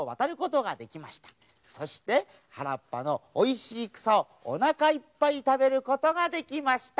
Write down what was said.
そしてはらっぱのおいしいくさをおなかいっぱいたべることができました。